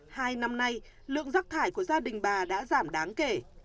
hai năm nay lượng rác thải của gia đình bà đã giảm đáng kể